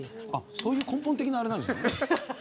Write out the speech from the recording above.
そういう根本的なあれなんですね。